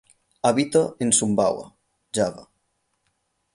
Habita en Sumbawa, Java.